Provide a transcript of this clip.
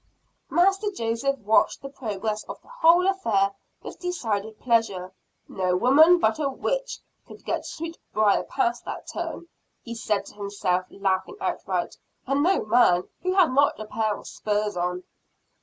Master Joseph watched the progress of the whole affair with decided pleasure. "No woman but a witch could get Sweetbriar past that turn," he said to himself, laughing outright, "And no man, who had not a pair of spurs on."